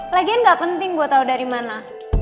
lagian gak penting gue tahu dari mana